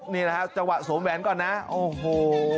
นี่แหละฮะจังหวะสวมแหวนก่อนนะโอ้โห